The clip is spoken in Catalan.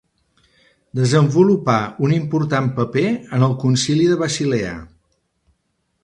Desenvolupà un important paper en el Concili de Basilea.